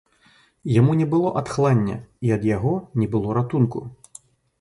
Яму не было адхлання, і ад яго не было ратунку.